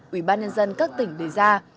ubnd các tỉnh đề ra